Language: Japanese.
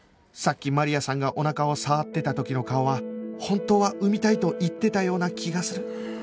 さっきマリアさんがおなかを触ってた時の顔は本当は産みたいと言ってたような気がする